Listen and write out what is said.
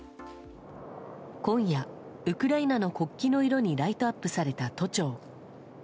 今夜、ウクライナの国旗の色にライトアップされた都庁。